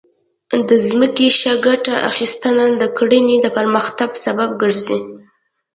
د ځمکې ښه ګټه اخیستنه د کرنې د پرمختګ سبب ګرځي.